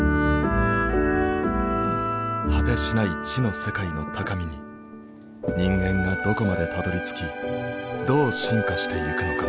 果てしない知の世界の高みに人間がどこまでたどりつきどう進化していくのか。